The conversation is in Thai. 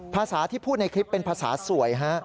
ภาษาที่พูดในคลิปเป็นภาษาสวยฮะ